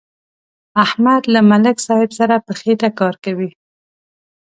احمد له ملک صاحب سره په خېټه کار کوي.